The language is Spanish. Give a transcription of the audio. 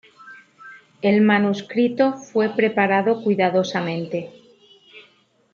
El manuscrito fue preparado cuidadosamente.